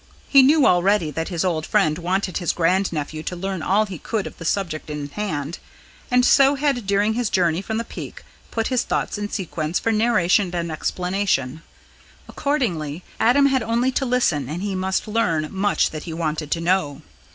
He knew already that his old friend wanted his grand nephew to learn all he could of the subject in hand, and so had during his journey from the Peak put his thoughts in sequence for narration and explanation. Accordingly, Adam had only to listen and he must learn much that he wanted to know.